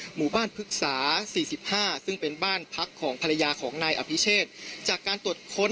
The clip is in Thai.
หมู่บ้านพฤกษา๔๕ซึ่งเป็นบ้านพักของภรรยาของนายอภิเชษจากการตรวจค้น